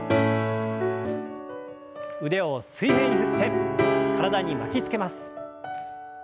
腕を水平に振って体に巻きつけます。